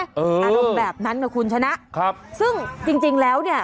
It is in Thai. อรุณแบบนั้นก็คุณชนะซึ่งจริงแล้ว